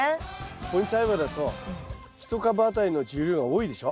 放任栽培だと１株あたりの重量が多いでしょ。